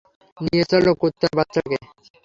নিয়ে চলো কুত্তার বাচ্চাটাকে!